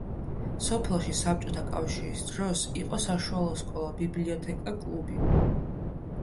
სოფელში საბჭოთა კავშირის დროს იყო საშუალო სკოლა, ბიბლიოთეკა, კლუბი.